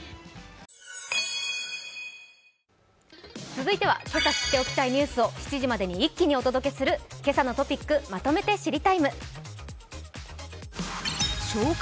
続いては今朝知っておきたいニュースを７時ごろまでまとめてお伝えする「けさのトピックまとめて知りＴＩＭＥ，」。